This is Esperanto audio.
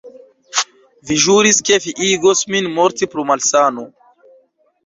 Vi ĵuris, ke vi igos min morti pro malsano!